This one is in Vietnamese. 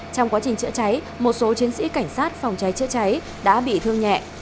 trong quá trình chữa cháy một số chiến sĩ cảnh sát phòng cháy chữa cháy đã bị thương nhẹ